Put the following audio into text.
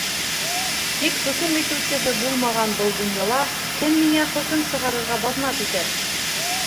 Тик хөкөм итеүсеһе булмаған был донъяла кем миңә хөкөм сығарырға баҙнат итер?